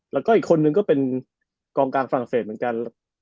แล้วก็อีกคนนึงก็เป็นกองกลางฝรั่งเศสเหมือนกัน